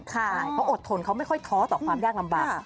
เพราะอดทนเขาไม่ค่อยท้อต่อความยากลำบาก